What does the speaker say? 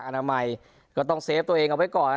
พูดต้องดังก็ต้องซีอิบตัวเองออกไว้ก่อน